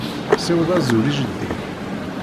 Ssiweḍ azul i jeddi-k.